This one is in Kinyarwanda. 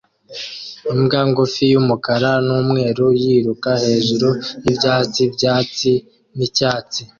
Imbwa ngufi yumukara numweru yiruka hejuru yibyatsi byatsi nicyatsi